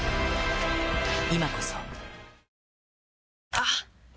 あっ！